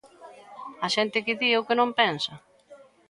A xente que di o que non pensa.